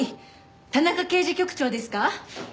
田中刑事局長ですか？